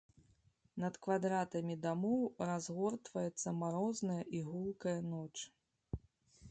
Над квадратамі дамоў разгортваецца марозная і гулкая ноч.